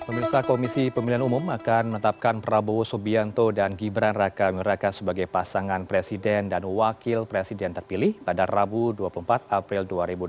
pemirsa komisi pemilihan umum akan menetapkan prabowo subianto dan gibran raka miraka sebagai pasangan presiden dan wakil presiden terpilih pada rabu dua puluh empat april dua ribu delapan belas